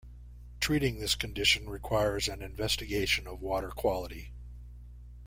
Treating this condition requires an investigation of water quality.